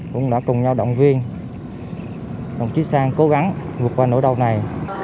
cũng đã cùng nhau động viên đồng chí sang cố gắng vượt qua nỗi đau này